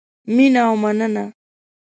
مینه او مننه